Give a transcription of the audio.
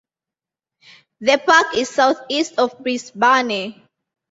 The park is southeast of Brisbane.